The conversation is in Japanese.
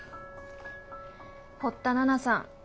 堀田奈々さん。